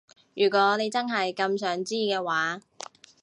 如果你真係咁想知嘅話